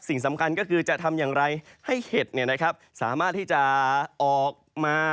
สิ่งสำคัญก็คือจะทำอย่างไรให้เห็ดสามารถที่จะออกมา